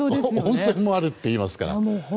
温泉もあるっていいますからね。